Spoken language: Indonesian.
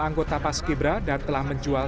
anggota pas kibra dan telah menjual